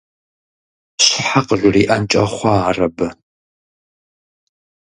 Щхьэ къыжриӀэнкӀэ хъуа ар абы?